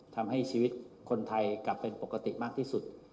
ทำให้ชีวิตคนไทยกลับเป็นปกติมากที่สุด